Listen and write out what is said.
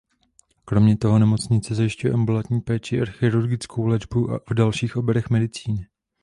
Kromě toho nemocnice zajišťuje ambulantní péči a chirurgickou léčbu v dalších oborech medicíny.